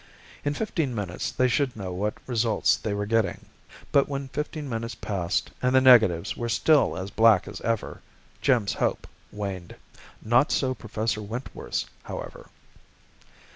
In fifteen minutes they should know what results they were getting. But when fifteen minutes passed and the negatives were still as black as ever, Jim's hope waned. Not so Professor Wentworth's, however.